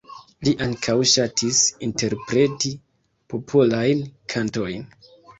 Li ankaŭ ŝatis interpreti popolajn kantojn.